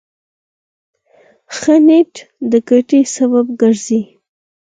ښه نیت د ګټې سبب ګرځي.